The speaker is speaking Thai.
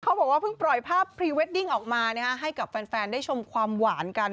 เขาบอกว่าเพิ่งปล่อยภาพพรีเวดดิ้งออกมาให้กับแฟนได้ชมความหวานกัน